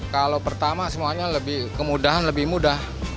kalau pertama semuanya lebih kemudahan lebih mudah